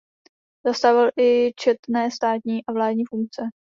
Zastával i četné státní a vládní funkce.